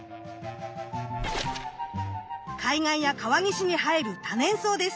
海岸や川岸に生える多年草です。